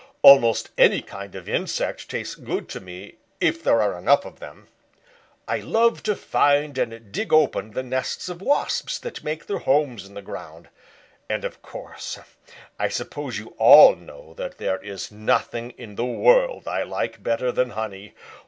Almost any kind of insect tastes good to me if there are enough of them. I love to find and dig open the nests of Wasps that make their homes in the ground, and of course I suppose you all know that there is nothing in the world I like better than honey.